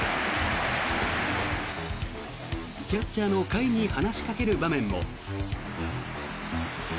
キャッチャーの甲斐に話しかける場面も。